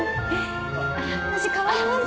私代わります。